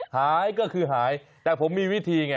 หายก็คือหายแต่ผมมีวิธีไง